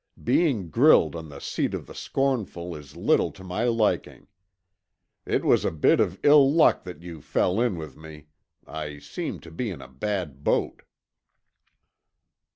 Being grilled on the seat of the scornful is little to my liking. It was a bit of ill luck that you fell in with me. I seem to be in a bad boat."